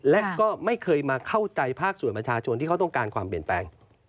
และก็ไม่เคยมาเข้าใจภาคส่วนประชาชนที่เขาต้องการความเปลี่ยนแปลง